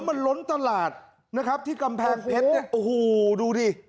แล้วมันล้นตลาดนะครับที่กำแพงเพชรโอ้โหดูดิ